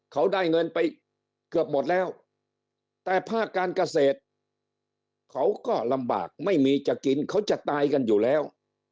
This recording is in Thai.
เขาได้เงินไปเกือบหมดแล้วแต่ภาคการเกษตรเขาก็ลำบากไม่มีจะกินเขาจะตายกันอยู่แล้ว